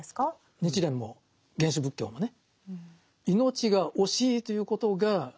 日蓮も原始仏教もね